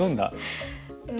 うん。